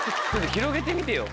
広げてみてよ。